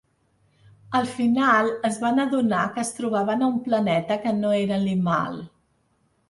Al final es van adonar que es trobaven a un planeta que no era Limahl.